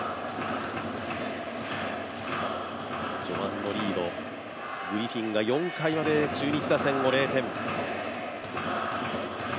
序盤のリード、グリフィンが４回まで中日打線を０点。